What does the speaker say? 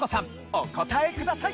お答えください。